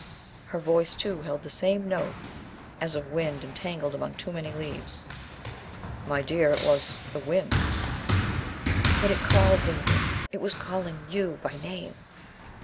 Her voice, too, held the same note as of wind entangled among too many leaves. "My dear, it was the wind." "But it called, David. It was calling you by name!"